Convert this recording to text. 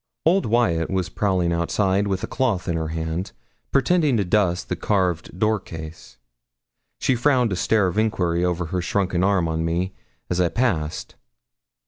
Old Wyat was prowling outside, with a cloth in her hand, pretending to dust the carved door case. She frowned a stare of enquiry over her shrunken arm on me, as I passed.